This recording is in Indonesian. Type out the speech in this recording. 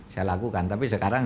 saya lakukan tapi sekarang